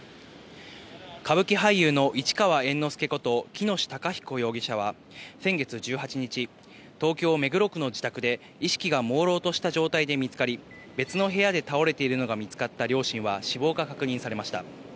歌舞伎俳優の市川猿之助こと喜熨斗孝彦容疑者は先月１８日、東京・目黒区の自宅で意識がもうろうとした状態で見つかり、別の部屋で倒れているのが見つかった両親は死亡が確認されました。